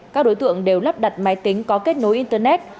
các đối tượng đều lắp đặt máy tính có kết nối internet